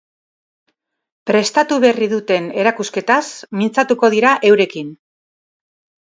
Prestatu berri duten erakusketaz mintzatuko dira eurekin.